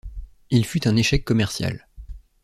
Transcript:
Il fut un échec commercial.